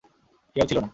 কেউ ছিল না!